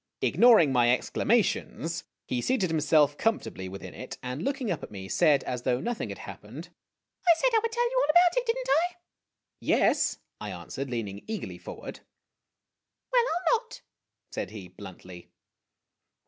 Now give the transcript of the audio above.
Ignoring my exclamations, he seated himself comfortably with in it, and, looking up at me, said, as though nothing had happened, <l I said I would tell you all about it, did n't I ?"" Yes," I answered, leaning eagerly forward. "Well, I '11 not!" said he, bluntly.